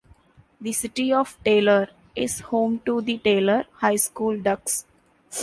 The City of Taylor is home to the Taylor High School Ducks.